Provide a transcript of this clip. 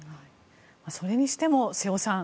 それにしても瀬尾さん